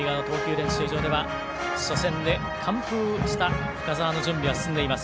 練習場では初戦で完封した深沢の準備が進んでいます。